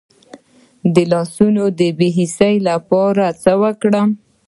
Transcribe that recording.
د لاسونو د بې حسی لپاره باید څه وکړم؟